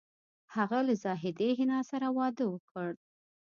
هغه له زاهدې حنا سره واده وکړ